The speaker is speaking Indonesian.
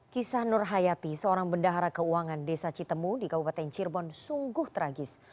kisah nur hayati seorang bendahara keuangan desa citemu di kabupaten cirebon sungguh tragis